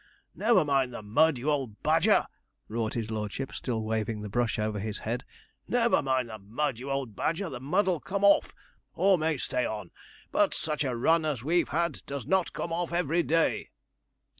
'Never mind the mud, you old badger!' roared his lordship, still waving the brush over his head: 'never mind the mud, you old badger; the mud'll come off, or may stay on; but such a run as we've had does not come off every day.'